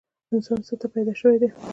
انسان څه ته پیدا شوی دی؟